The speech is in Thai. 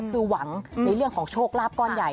คือหวังในเรื่องของโชคลาภก้อนใหญ่